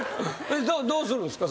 どうするんですか？